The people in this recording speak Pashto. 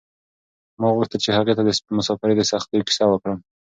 ما غوښتل چې هغې ته د مساپرۍ د سختیو کیسه وکړم.